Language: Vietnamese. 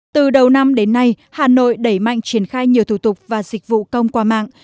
từ đầu năm đến nay hà nội đẩy mạnh triển khai nhiều thủ tục và dịch vụ công qua mạng